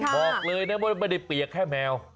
บอกเลยนะว่าไม่ได้เปียกแค่แมว